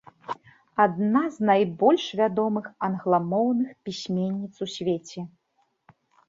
Адна з найбольш вядомых англамоўных пісьменніц у свеце.